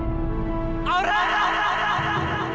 aku mau beristirahat